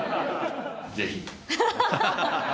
ぜひ。